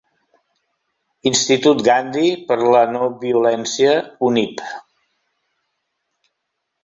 Institut Gandhi per a la No-Violència, Univ.